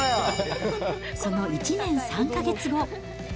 その１年３か月後。